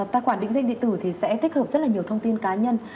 tài khoản định danh điện tử sẽ tích hợp rất nhiều thông tin cá nhân